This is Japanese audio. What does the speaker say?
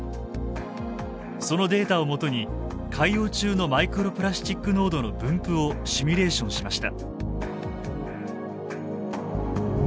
そのデータを基に海洋中のマイクロプラスチック濃度の分布をシミュレーションしました。